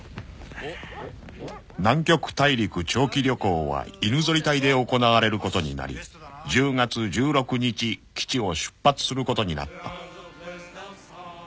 ［南極大陸長期旅行は犬ぞり隊で行われることになり１０月１６日基地を出発することになった］